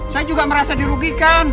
saya juga merasa dirugikan